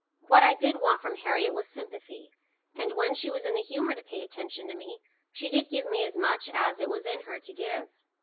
What I did want from Harriet was sympathy; and when she was in the humour to pay attention to me, she did give me as much as it was in her to give.